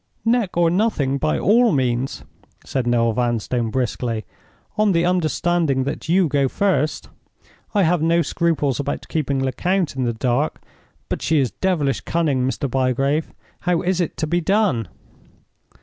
"Neck or nothing, by all means," said Noel Vanstone, briskly—"on the understanding that you go first. I have no scruples about keeping Lecount in the dark. But she is devilish cunning, Mr. Bygrave. How is it to be done?"